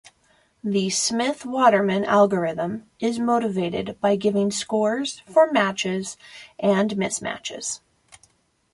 The Smith-Waterman algorithm is motivated by giving scores for matches and mismatches.